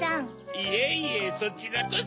いえいえそちらこそ。